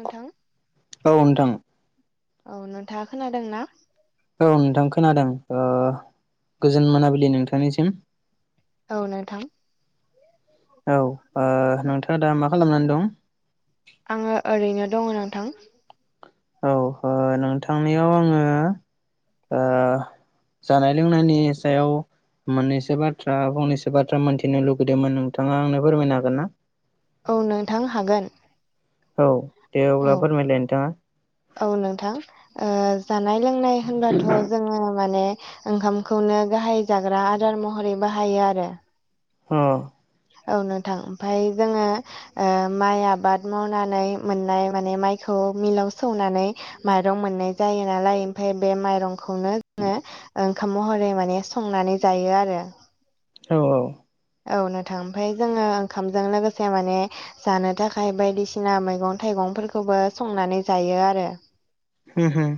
नोंथां औ नोंथां। औ नोंथाङा खोनादों ना? औ नोंथां खोनादों गोजोन मोनाबिलि नोंथांनिसिम। औ नोंथां औ ओ नोंथाङा दा मा खालामनानै दं। आङो ओरैनो दङ नोंथां। औ नोंथांनियाव आङो ओ जानाय लोंनायनि सायाव मोननैसो बाथ्रा फंनैसो बाथ्रा मोनथिनो लुुबैदोंमोन नोंथाङा आंनो फोरमायनो हागोनना? औ नोंथां हागोन। औ दे अब्ला औ फोरमायलाय नोंथाङा। औ नोंथां ओ जानाय लोंनाय होनबाथ' जोङो माने ओंखामखौनो गाहाय जाग्रा आदार महरै बाहायो आरो। अ औ नोंथां ओमफ्राय जोङो ओ माइ आबाद मावनानै मोननाय माने माइखौ मिलाव सौनानै माइरं मोननाय जायो नालाय ओमफ्राय बे माइरंखौनो जोङो ओंखाम महरै माने संनानै जायो आरो। औ औ औ नोंथां ओमफ्राय जोङो ओंखामजों लोगोसे माने जानो थाखाय बायदिसिना मैगं थाइगंफोरखौबो संनानै जायो आरो। उम हम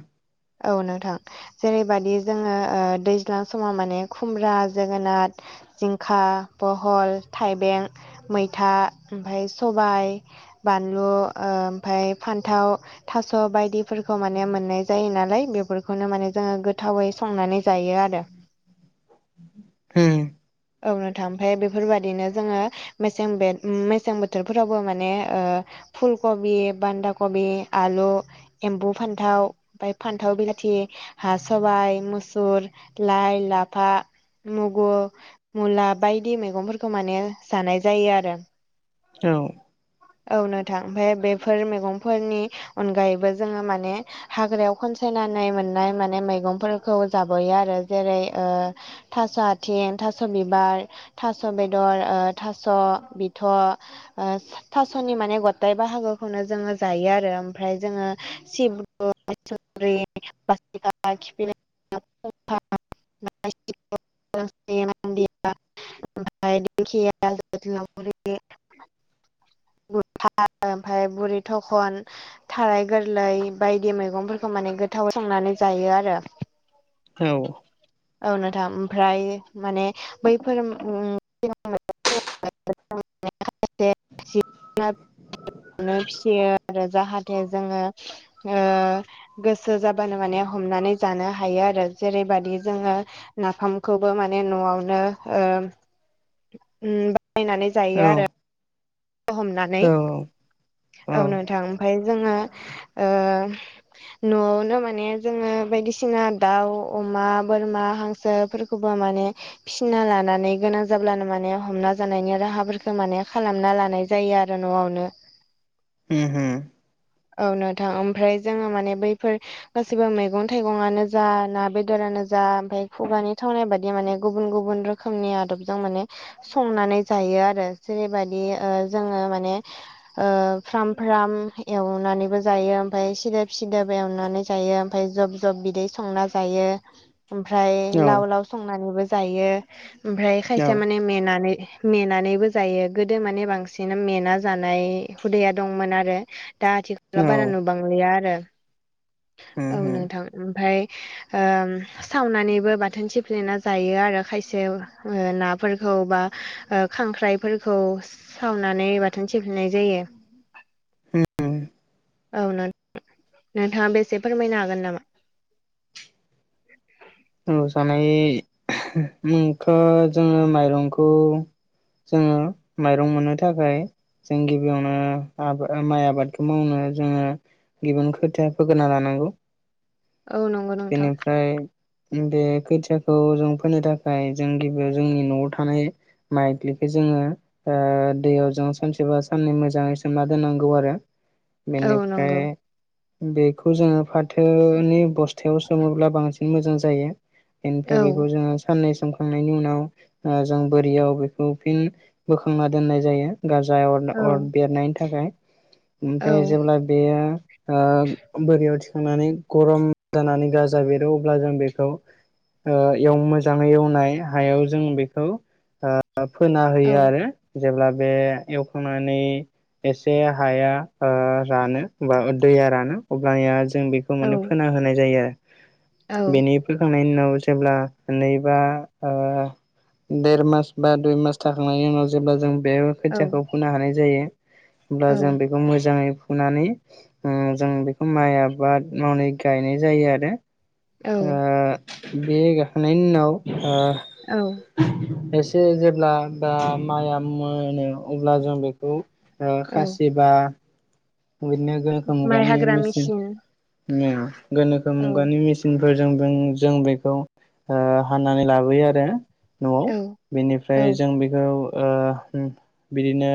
औ नोंथां जेरैबादि जोङो ओ दैज्लां समाव माने खुमब्रा जोगोनात जिंखा, बहल, थाइबें, मैथा, ओमफ्राय सबाइ बानलु ओ ओमफ्राय फान्थाव थास' बायदिफोरखौ माने मोननाय जायो नालाय बेफोरखौनो माने जोङो गोथावै संनानै जायो आरो। उम औ नोंथां ओमफाय बेफोरबायदिनो जोङो मेसें बे मेसें बोथोरफोरावबो माने ओ फुलकबि बान्दा कबि आलु एम्बु फान्थाव ओमफ्राय फान्थाव बिलाथि हा सबाइ, मुसुर, लाइ, लाफा, मुगु मुला बायदि मैगंफोरखौ माने जानाय जायो आरो औ औ नोंथां ओमफ्राय बेफोर मैगंफोरनि अनगायैबो जोङो माने हाग्रायाव खनसायनानै मोननाय माने मैगंफोरखौ जाबोयो आरो जेरै ओ थास' आथिं, थास' बिबार थास' बेदर ओ थास' बिथ' ओ थास'नि माने गथाय बाहागोखौनो जोङो जायो आरो ओमफ्राय जोङो सिब्रु माइसुद्रि, बासिखा, खिफि लेवा, [unintelligible] [unintelligible] ओमफ्राय दिंखिया [unintelligible] [unintelligible] ओमफ्राय बुरि थखन थाराइ गोरलै बायदि मैगंफोरखौ माने गोथाव संनानै जायो आरो। औ औ नोंथां ओमफ्राय माने बैफोर [unintelligible] जिब जुनार फिसियो आरो जाहाथे जोङो ओ गोसो जाबानो माने हमनानै जानो हायो आरो जेरैबादि जोङो नाफामखौबो माने न'वावनो ओम उम बाहायनानै औ जायो आरो हमनानै औ औ नोंथां ओमफाय जोङो ओ न'वावनो माने जोङो बायदिसिना दाउ अमा बोरमा हांसोफोर खौबो माने फिसिना लानानै गोनां जाब्लानो माने हमना जानायनि राहाफोरखौ माने खालामना लानाय जायो आरो न'वावनो उम हुम औ नोंथां ओमफ्राय जोङो माने बैफोर गासैबो मैगं थाइगङानो जा ना बेदरानो जा ओमफ्राय खुगानि थावनाय बादि माने गुबुन गुबुन रो खोमनि आदबजों माने संनानै जायो आरो जेरैबादि ओ जोङो माने ओ फ्राम फ्राम एवनानैबो जायो ओमफ्राय सिदोब सिदोब एवनानै जायो ओमफ्राय जब जब बिदै संना जायो। ओमफ्राय औ लाव लाव संनानैबो जायो ओमफ्राय औ खायसे माने मेनानै मेनानैबो जायो गोदो माने बांसि मेना जानाय हुदाया दंमोन आरो दा आथिखालाव बारा नु नुबांलिया आरो होम औ होम नोंथां ओमफ्राय ओम सावनानैबो बाथोन सिफ्लेना जायो आरो खायसे ओ नाफोरखौ बा ओ खांख्राइफोरखौ सावनानै बाथोन सफ्लेनाय जायो। उम औ नोंथां नोंथाङाबो एसे फोरमायनो हागोन नामा? [inaudible] औ जानाय [unintelligible] माइरंखौ जोङो माइरं मोननो थाखाय जों गिबियावनो आ माइ आबादखौ मावनो जोङो गिबियानो खोथिया फोगोरना लानांगौ औ नंगौ नोंथां बेनिफ्राय बे खोथियाखौ जों फोनो थाखाय जों गिबियाव जोंनि न'आव थानाय माइदलिखौ जोङो ओ दैयाव जों सानसेबा साननै मोजाङै सोमना दोननांगौ आरो औ बेनिफ्राय नंगौ बेखौ जोङो फाथोनि बस्थायाव सोङोब्ला बांसिन मोजां जायो ओमफाय औ जों बेखौ साननै सान खांनायनि उनाव जों बोरियाव बेखौ फिन बोखांना दोननाय जायो गाजा अर औ अर बेरनायनि थाखाय औ ओमफ्राय जेब्ला बेयो ओ बोरियाव थिखांनानै गरम जानानै गाजा बेरो अब्ला जों बेखौ ओ एव मोजाङै एवनाय हायाव जों बेखौ ओ ओ फोना औ होयो आरो जेब्ला बे एवखांनानै एसे हाया ओ रानो बा दैया रानो अब्लानिया जों बे खौ औ माने फोना होनाय जायो आरो बेनि फोखांनायनि उनाव जेब्ला नैबा ओ देर मास बा दुइ मास थाखांनायनि उनाव जेब्ला जों बे औ खोथियाखौ फुनो हानाय जायो होनोमब्ला औ जों बेखौ मोजाङै फुनानै उम जों बेखौ माइ आबाद मावनानै गायनाय जायो आरो औ ओ बे गाखांनायनि उनाव ओ औ एसे जेब्ला दा माया मोनो अब्ला जों बेखौ ओ औ खासि बा बिदिनो गोनोखो माइ मुगानि हाग्रा मेचिन मेसिन गोनोखो औ मुगानि मिस [unintelligible] जों बेखौ ओ हाननानै लाबोयो आरो न'आव औ औ बेनिफ्राय जों बेखौ ओ बिदिनो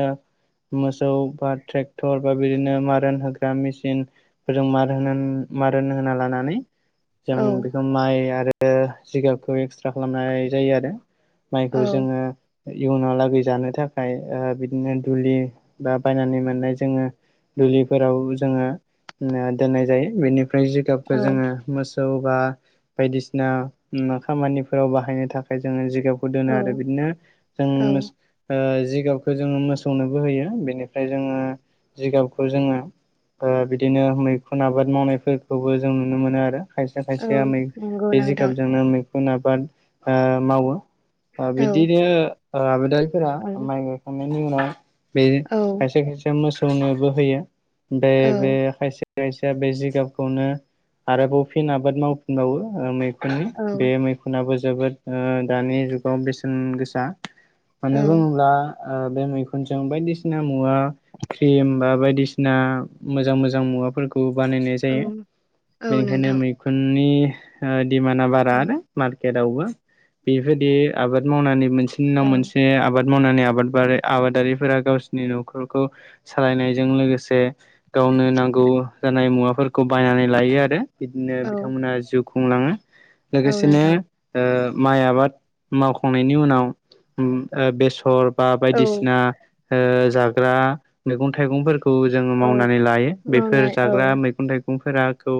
मोसौ बा ट्रेक्ट'र बा बिदिनो मारोन होग्रा मेसिनजों मार होन मारोन होना लानानै जों औ बेखौ माइ आरो जिगाबखौ एक्सट्रा खालामनाय जायो आरो औ माइखौ जोङो इयुनाव लागै जानो ओ थाखाय बिदिनो दुलि बा बायनानै मोननाय जोङो दुलिफोराव जोङो दोननाय जायो बेनिफ्राय जिगाबखौ जोङो औ मोसौ बा बायदिसिना खामानिफोराव बाहायनो थाखाय जोङो जिगाब खौ दोनो आरो बिदिनो जों औ ओ जिगाबखौ जोङो मोसौनोबो होयो बेनिफ्राय जोङो जिगाबखौ जोङो बिदिनो मैखुन आबाद मावनायफोरखौबो जों नुनो मोनो आरो खायसे खायसेया नंगौ बे नोंथां जिगाबजोंनो मैखुन आबाद मावो औ बिदिनो आबादारिफोरा औ माइ गायखांनायनि उनाव बे औ खायसे खायसे मोसौनोबो होयो औ ओमफ्राय बे खायसे खायसेया बे जिगाबखौनो आरोबाव फिन आबाद मावफिनबावो मैखुन औ बे मैखुनाबो जोबोद दानि जुगाव बेसेन गोसा मानो बुङोब्ला बे मैखुनजों बायदिसिना मुवा क्रिम बा बायदिसिना मोजां मोजां मुवाफोरखौ बानायनाय औ जायो औ बेनिखायनो नोंथां मैखुननि दिमान्डआ बारा औ आरो मार्केटआवबो बेबायदि आबाद मावनानै मोनसेनि उनाव औ मोनसे आबाद आबाद मावनानै आबाद आबादारिफोरा गावस़ोरनि न'खरखौ सालायनायजों लोगोसे गावनो नांगौ जानाय मुवाफोरखौ बायनानै लायो आरो बिदिनो औ बिथांमोना जिउ खुंलाङो औ लोगोसेनो नोंथां ओ माइ आबाद मावखांनायनि उनाव ओ ओम बेसर बा औ बायदिसिना ओ जाग्रा मैगं थाइगंफोरखौ खौ जोङो औ मावनानै लायो बेफोर मावनाय औ जाग्रा मैगं थाइगं सुबुंफोराखौ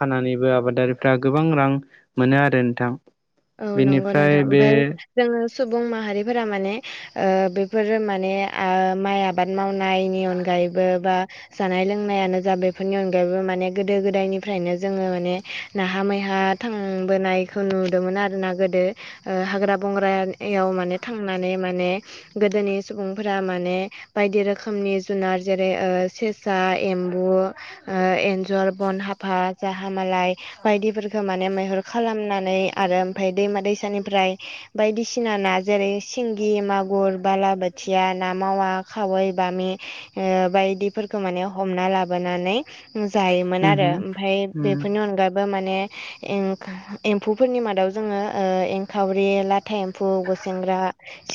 फाननानैबो आबादारिफ्रा गोबां रां मोनो आरो नोंथां औ नंगौ नोंथां बेनिफ्राय बे ओमफाय जोङो सुबुं माहारिफोरा माने ओ बेफोर माने माइ आ आबाद मावनायनि अनगायैबो बा जानाय लोंनायानो जा बेफोरनि अनगायैबो माने गोदो गोदायनिफ्रायनो जोङो माने नाहा मैहा थांबोनायखौ नु दोंमोन आरो ना गोदो हाग्रा बंग्रायाव माने थांनानै माने गोदोनि सुबुंफोरा माने बायदि रोखोमनि जुनार जेरै सेसा एमबु ओ एनजर बन हाफा जाहा मालाय बायदिफोरखौ माने मैहुर खालामनानै आरो ओमफ्राय दैमा दैसानिफ्राय बायदिसिना ना जेरै सिंगि मागुर बालाबाथिया ना मावा खावै बामि ओ बायदिफोरखौ माने हमना लाबोनानै जायोमोन होम आरो ओमफाय होम बेफोरनि अनगायबो माने एमफौ फोरनि मादाव जोङो एंखावरि लाथा एमफौ गुसेंग्रा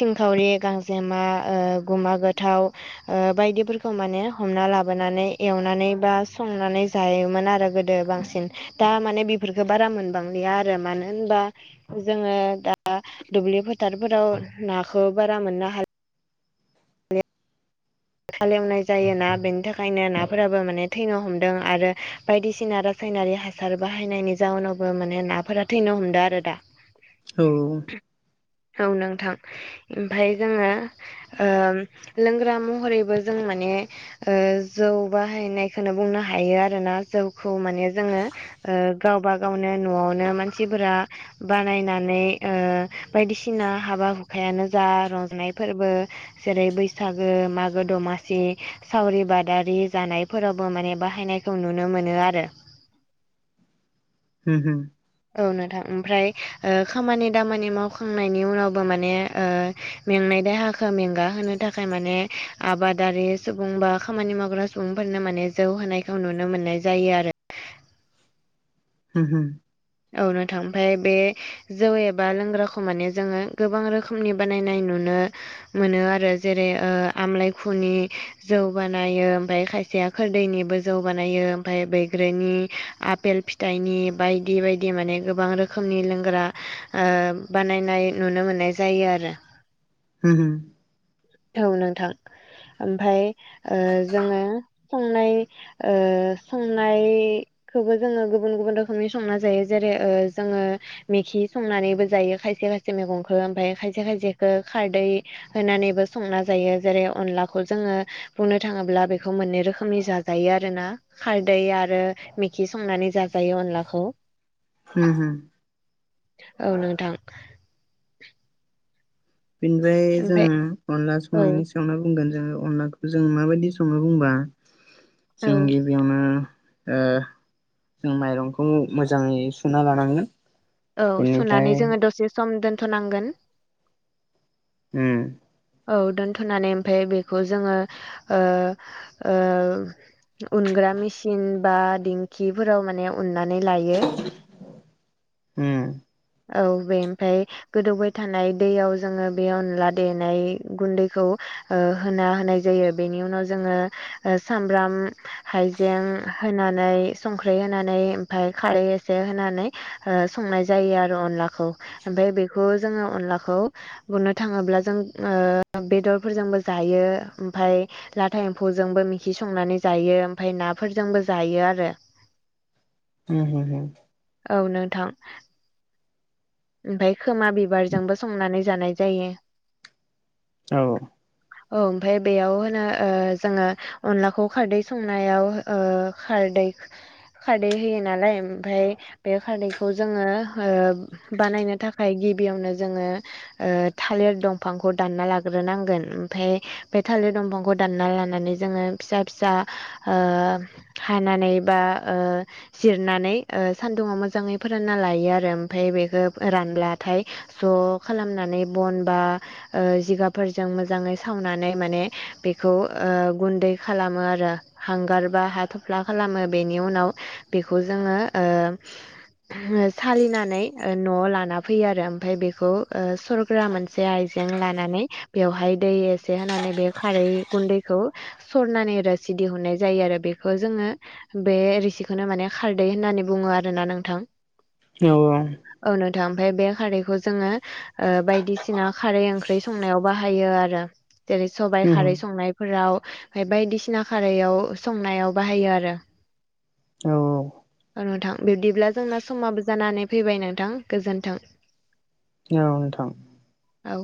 सिंखावरि गांजेमा ओ गुमा गोथाव ओ बायदिफोरखौ माने हमना लाबोनानै एवनानै बा संनानै जायोमोन आरो गोदो बांसिन दा माने बेफोरखौ बारा मोनबांलिया आरो मानो होनबा जोङो दा दुब्लि फोथारफोराव नाखौ बारा मोननो हालि हाल एवनाय जायो ना बेनि थाखायनो नाफोराबो माने थैनो हमदों आरो बायदिसिना रासायनारि हासार बाहायनायनि जाउनावबो माने नाफोरा थैनो हमदों आरो दा औ औ नोंथां ओमफ्राय जोङो ओ लोंग्रा महरैबो जों माने ओ जौ बाहायनायखौनो बुंनो हायो आरोना जौखौ माने जोङो ओ गाव बागावनो न'आवनो मानसिफोरा बानायनानै ओ बायदिसिना हाबा हुखायानो जा रंजानाय फोरबो जेरै बैसागो मागो गो दमासि सावरि बादारि जानायफोरावबो माने बाहायनायखौ नुनो मोनो आरो हो होम औ नोंथां ओमफ्राय ओ खामानि दामानि मावखांनायनि उनावबो माने ओ मेंनाय देहाखौ मेंगा होनो थाखाय माने आबादारि सुबुं बा खामानि मावग्रा सुबुंफोरनो माने जौ होनायखौ नुनो मोननाय जायो आरो होम-होम औ नोथां ओमफाय बे जौ एबा लोंग्राखौ माने जोङो गोबां रोखोमनि बानायनाय नुनो मोनो आरो जेरै आमलाय खुनि जौ बानायो ओमफ्राय खायसेया खोरदैनिबो जौ बानायो ओमफ्राय बैग्रोनि आपेल फिथाइनि बाय बायदि बायदि माने गोबां रोखोमनि लोंग्रा बानायनाय नुनो मोननाय जायो आरो हो होम औ नोंथां ओमफ्राय जोङो संनाय ओ संनाय खौबो जोङो गुबुन गुबुन रोखोमनि संना जायो जेरै ओ जोङो मेखि संनानैबो जायो खायसे खायसे मैगंखौ ओमफ्राय खायसे खायसेखौ खारदै होनानैबो संना जायो जेरै अनलाखौ जोङो बुंनो थाङोब्ला बेखौ मोननै रोखोमनि जाजायो आरोना खारदै आरो मिखि संनानै जाजायो अनलाखौ हुम हुम औ नोंथां बेनिफ्राय ओमफाय जोङो अनला औ संनायनि संनो बुंगोन जोङो अनलाखौ जों माबायदि संनो बुंबा औ जों गिबियावनो ओ जों माइरंखौ मोजाङै सुना लानांगोन औ बेनिफ्राय सुनानै जोङो दसे सम दोनथ'नांगोन उम औ दोनथ'नानै ओमफाय बेखौ जोङो ओ-ओ उनग्रा मिसिन बा दिंखिफोराव माने उननानै लायो उम औ बे ओमफाय गोदौबाय थानाय दैयाव जोङो बे अनला देनाय गुन्दैखौ ओ होना होनाय जायो बेनि उनाव जोङो सामब्राम हाइ जें होनानै संख्रि होनानै ओमफ्राय खारै एसे होनानै संनाय जायो आरो आरो अनलाखौ ओमफ्राय बेखौ जोङो अनलाखौ बुंनो थाङोब्ला जों ओ बेदरफोरजोंबो जायो ओमफाय लाथा एम्फौजोंबो मिखि संनानै जायो ओमफाय नाफोरजोंबो जायो आरो हुम-हुम-हुम औ नोंथां ओमफाय खोमा बिबारजोंबो संनानै जानाय जायो। औ औ ओमफाय बेयाव होनो ओ जोङो अनलाखौ खारदै संनायाव ओ खारदै खारदै होयो नालाय ओमफाय बे खारदैखौ जोङो ओ बानायनो थाखाय गिबियावनो जोङो ओ थालिर दंफांखौ दानना लाग्रोनांगोन ओमफाय बे थालिर दंफांखौ दानना लानानै जोङो फिसा फिसा ओ हानानै बा ओ जिरनानै ओ सान्दुङाव मोजाङै फोरानना लायो आरो ओमफाय बेखो रानब्लाथाय ज' खालामनानै बन बा ओ जिगाबफोरजों मोजाङै सावनानै माने बेखौ ओ गुन्दै खालामो आरो हांगार बा हा थफ्ला खालामो बेनि उनाव बेखौ जोङो ओ सालिनानै ओ न'आव लाना फैयो आरो ओमफाय बेखौ ओ सरग्रा मोनसे आयजें लानानै बेवहाय दै एसे होनानै बे खारै गुन्दैखौ सरनानै रोसि दिहुननाय जायो आरो बेखौ जोङो बे रिसिखौनो माने खारदै होननानै बुङो आरोना नोंथां। औ-औ औ नोंथां ओमफाय बे खारैखौ जोङो ओ बायदिसिना खारै ओंख्रै संनायाव बाहायो आ रो जेरै सबाय उम खारै संनाय फोराव ओमफाय बायदिसिना खारैयाव संनायाव बाहायो आरो। औ औ नोंथां बिब्दिब्ला जोंना समाबो जानानै फैबाय नों थां गोजोन्थों। औ नोंथां औ